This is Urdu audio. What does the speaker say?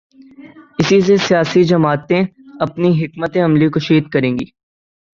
اسی سے سیاسی جماعتیں اپنی حکمت عملی کشید کریں گی۔